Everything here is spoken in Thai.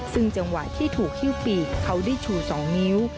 ซึ่งจังหวะที่ถูกฮิ้วปีกเขาได้ชู๒นิ้ว